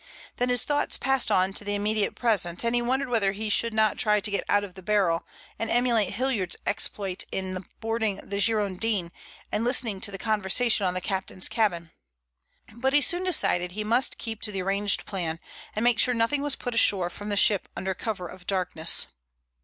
Then his thoughts passed on to the immediate present, and he wondered whether he should not try to get out of the barrel and emulate Hilliard's exploit in boarding the Girondin and listening to the conversation in the captain's cabin. But he soon decided he must keep to the arranged plan, and make sure nothing was put ashore from the ship under cover of darkness.